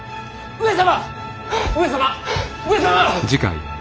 上様！